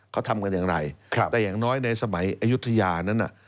เขาทำกันอย่างไรแต่อย่างน้อยในสมัยอายุทยานั้นน่ะ